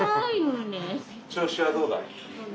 調子はどうだい？